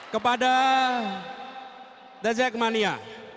kepada dajak mania